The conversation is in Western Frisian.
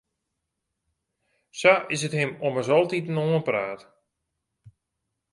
Sa is it him ommers altiten oanpraat.